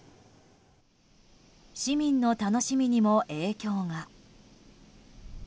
市民の楽しみにも影響が。